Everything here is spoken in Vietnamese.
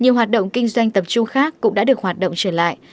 nhiều hoạt động kinh doanh tập trung khác cũng đã được hoạt động trở lại